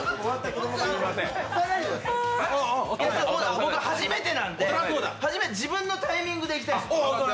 僕は初めてなので、自分のタイミングでいきたいんです。